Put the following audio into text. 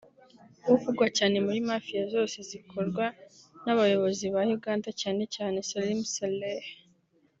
uvugwa cyane muri Mafia zose zikorwa n’abayobozi ba Uganda cyane cyane Salim Saleh